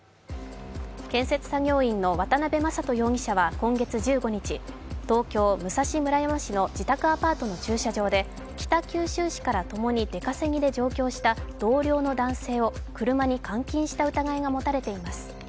建設作業員の渡辺正人容疑者は今月１５日、東京・武蔵村山市の自宅アパートの駐車場で北九州市からともに出稼ぎで上京した同僚の男性を車に監禁した疑いが持たれています。